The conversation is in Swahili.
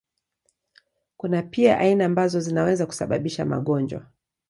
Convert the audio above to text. Kuna pia aina ambazo zinaweza kusababisha magonjwa.